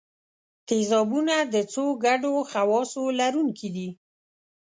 تیزابونه د څو ګډو خواصو لرونکي دي.